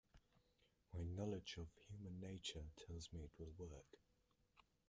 My knowledge of human nature tells me it will work.